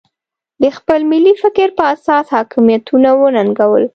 د خپل ملي فکر په اساس حاکمیتونه وننګول.